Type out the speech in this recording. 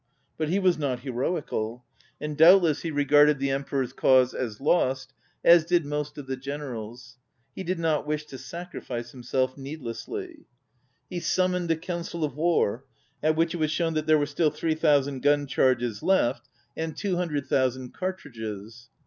But he was not heroical, and doubtless he regarded the Emperor's cause as lost, as did most of the generals. He did not wish to sacri fice himself needlessly. He summoned a coimcil of war, at which it was shown that there were still three thousand gun charges left 63 ON READING and two hundred thousand cartridges.